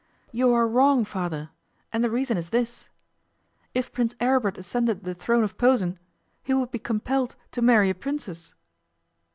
'You are wrong, Father. And the reason is this: If Prince Aribert ascended the throne of Posen he would be compelled to marry a Princess.